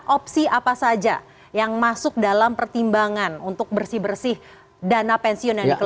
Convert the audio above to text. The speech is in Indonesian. opsi apa saja yang masuk dalam pertimbangan untuk bersih bersih dana pensiun yang dikeluarkan